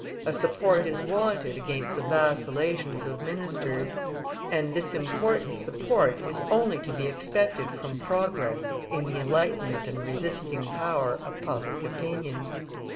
A support is wanted against the vacillations of ministers, and this important support is only to be expected from progress in the enlightenment and resisting power of public opinion.